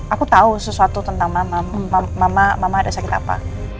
aku tahu sesuatu tentang mama mama ada sakit apa